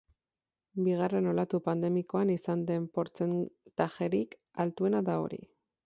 Bigarren olatu pandemikoan izan den portzentajerik altuena da hori.